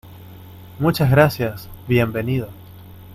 muchas gracias. bienvenido .